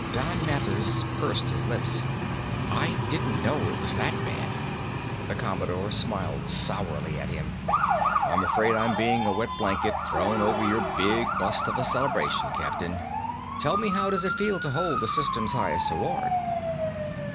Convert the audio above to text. Don Mathers pursed his lips. "I didn't know it was that bad." The Commodore smiled sourly at him. "I'm afraid I'm being a wet blanket thrown over your big bust of a celebration, Captain. Tell me, how does it feel to hold the system's highest award?"